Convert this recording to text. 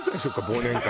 忘年会。